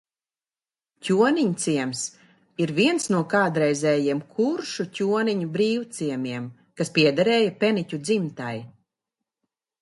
Ķoniņciems ir viens no kādreizējiem kuršu ķoniņu brīvciemiem, kas piederējis Peniķu dzimtai.